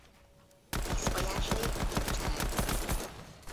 Vízfolyásai nincsenek.